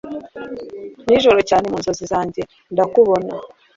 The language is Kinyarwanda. nijoro cyane mu nzozi zanjye Ndakubona